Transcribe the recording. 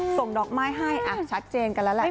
ส่งดอกไม้ให้ชัดเจนกันแล้วแหละ